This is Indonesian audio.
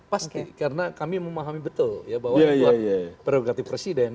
pasti karena kami memahami betul ya bahwa dibuat prerogatif presiden